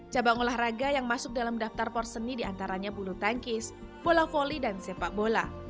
cabang olahraga yang masuk dalam daftar porseni diantaranya bulu tangkis bola voli dan sepak bola